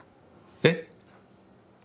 えっ？